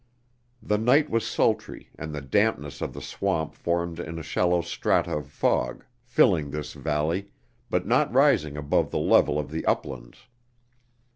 The night was sultry, and the dampness of the swamp formed in a shallow strata of fog, filling this valley, but not rising above the level of the uplands.